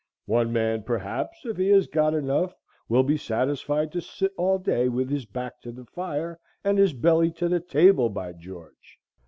One man, perhaps, if he has got enough, will be satisfied to sit all day with his back to the fire and his belly to the table, by George!"